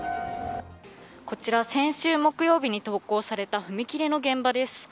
こちら先週木曜日に投稿された踏切の現場です。